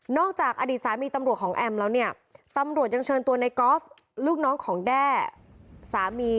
จากอดีตสามีตำรวจของแอมแล้วเนี่ยตำรวจยังเชิญตัวในกอล์ฟลูกน้องของแด้สามี